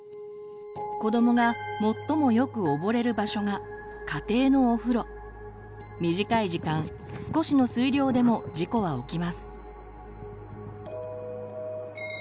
子どもが最もよく溺れる場所が短い時間少しの水量でも事故は起きます。